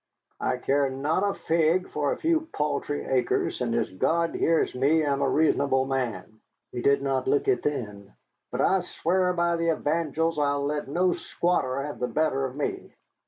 "I care not a fig for a few paltry acres, and as God hears me I'm a reasonable man." (He did not look it then.) "But I swear by the evangels I'll let no squatter have the better of me.